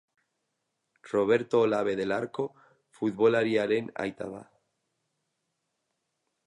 Roberto Olabe del Arco futbolariaren aita da.